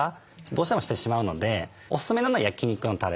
どうしてもしてしまうのでおすすめなのは焼肉のたれ。